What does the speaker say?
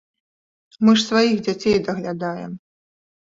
Мы ж сваіх дзяцей даглядаем!